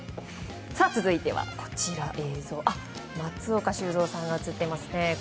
続いては、松岡修造さんが映っていますね。